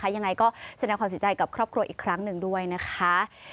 ยังไงก็แสดงความเสียใจกับครอบครัวอีกครั้งหนึ่งด้วยนะคะ